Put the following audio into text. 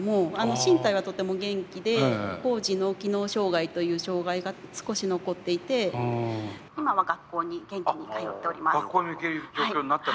身体は、とても元気で高次脳機能障害という障害が少し残っていて、今は学校に元気に通っております。